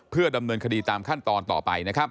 เพื่อดำเนินคดีตามขั้นตอนต่อไปนะครับ